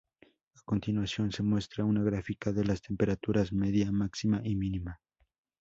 A continuación se muestra una gráfica de las temperaturas media, máxima y mínima.